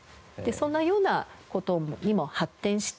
そんなような事にも発展して。